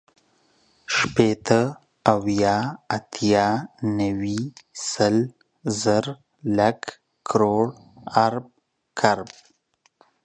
شپېته، اويا، اتيا، نيوي، سل، زر، لک، کروړ، ارب، کرب